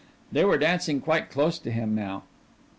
They were dancing quite close to him now.